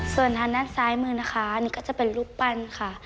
ส่วนทางด้านซ้ายมือนะคะอันนี้ก็จะเป็นรูปปั้นค่ะ